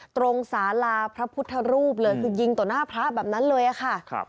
สาราพระพุทธรูปเลยคือยิงต่อหน้าพระแบบนั้นเลยค่ะ